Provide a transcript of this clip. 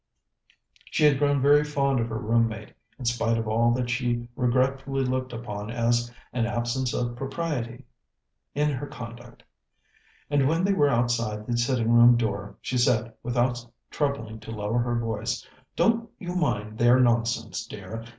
She had grown very fond of her room mate, in spite of all that she regretfully looked upon as an absence of propriety in her conduct; and when they were outside the sitting room door, she said, without troubling to lower her voice: "Don't you mind their nonsense, dear.